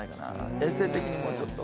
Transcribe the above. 衛生的にもちょっと。